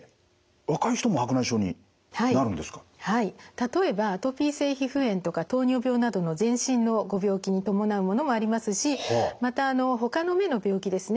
例えばアトピー性皮膚炎とか糖尿病などの全身のご病気に伴うものもありますしまたほかの目の病気ですね